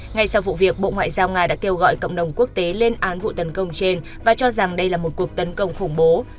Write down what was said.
ngay sau vụ việc bộ ngoại giao nga đã kêu gọi cộng đồng quốc tế lên án vụ tấn công trên và cho rằng đây là một cuộc tấn công khủng bố